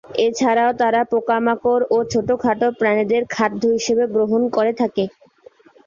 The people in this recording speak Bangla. এছাড়াও তারা পোকামাকড় ও ছোটো ছোটো প্রাণীদের খাদ্য হিসেবে গ্রহণ করে থাকে।